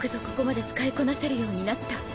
ここまで使いこなせるようになった。